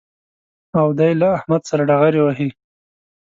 او دی له احمد سره ډغرې وهي